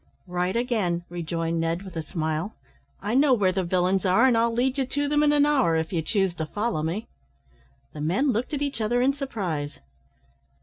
"Right again," rejoined Ned, with a smile. "I know where the villains are, and I'll lead you to them in an hour, if you choose to follow me." The men looked at each other in surprise.